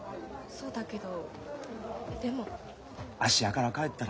そうだけど。